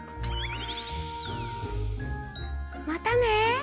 またね。